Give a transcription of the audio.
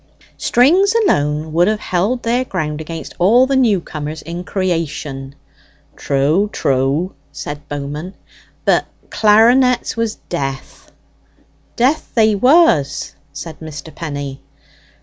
"Strings alone would have held their ground against all the new comers in creation." ("True, true!" said Bowman.) "But clarinets was death." ("Death they was!" said Mr. Penny.)